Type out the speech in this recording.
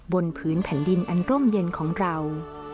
บนพื้นแผ่นดินอันร่มเย็นของเรา